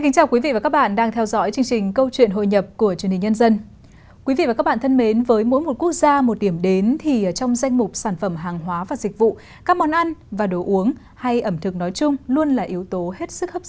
các bạn hãy đăng ký kênh để ủng hộ kênh của chúng mình nhé